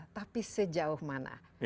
tapi sejauh mana